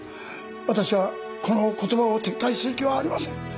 私はこの言葉を撤回する気はありません！